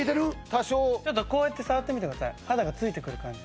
多少こうやって触ってみてください肌が付いてくる感じ